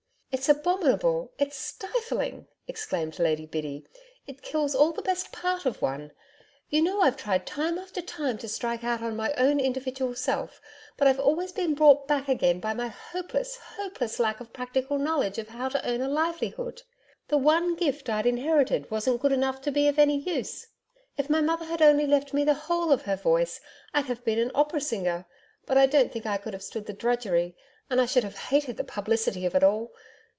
'It's abominable: it's stifling,' exclaimed Lady Biddy, 'it kills all the best part of one. You know I've tried time after time to strike out on my own individual self, but I've always been brought back again by my hopeless, hopeless lack of practical knowledge of how to earn a livelihood. The one gift I'd inherited wasn't good enough to be of any use If my mother had only left me the whole of her voice, I'd have been an opera singer. But I don't think I could have stood the drudgery and I should have hated the publicity of it all....